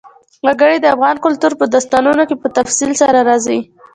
وګړي د افغان کلتور په داستانونو کې په تفصیل سره راځي.